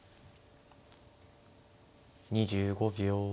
２５秒。